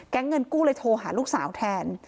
เงินกู้เลยโทรหาลูกสาวแทน